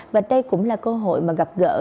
và đây cũng là cơ hội mà gặp gỡ